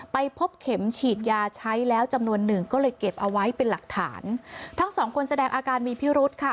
ไปพบเข็มฉีดยาใช้แล้วจำนวนหนึ่งก็เลยเก็บเอาไว้เป็นหลักฐานทั้งสองคนแสดงอาการมีพิรุธค่ะ